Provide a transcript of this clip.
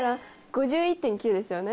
５１．９ですよね？